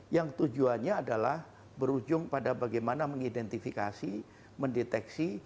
yang tujuannya adalah berujung pada bagaimana mengidentifikasi mendeteksi